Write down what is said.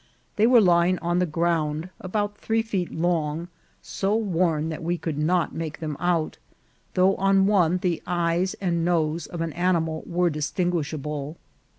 They were lying on the ground, about three feet long, so worn that we could not make them out, though on one the eyes and nose of an animal were distinguishable.